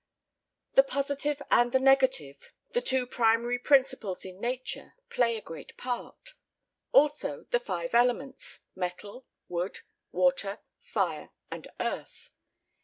The Positive and the Negative, the Two Primary Principles in Nature, play a great part; also the Five Elements, Metal, Wood, Water, Fire and Earth.